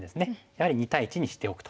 やはり２対１にしておくと。